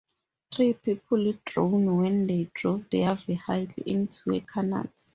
Three people drowned when they drove their vehicles into the canals.